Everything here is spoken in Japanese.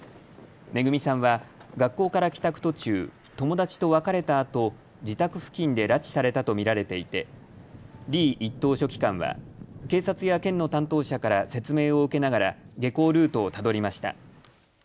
めぐみさんは学校から帰宅途中、友達と別れたあと自宅付近で拉致されたと見られていてリー一等書記官は警察や県の担当者から説明を受けながら下校ルートをたどりました。